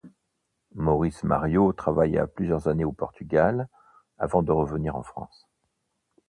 Maurice Mariaud travailla plusieurs années au Portugal, avant de revenir en France.